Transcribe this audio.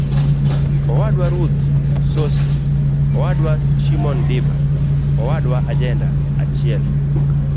Owadwa Ruth Sosi Owadwa Shimone Diba Owadwa Ajenda-achiel.